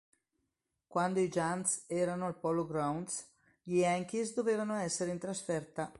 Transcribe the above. Quando i Giants erano al Polo Grounds, gli Yankees dovevano essere in trasferta.